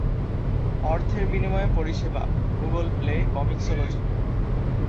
অর্থের বিনিময়ে পরিষেবা: গুগল প্লে, কমিক্সোলজি।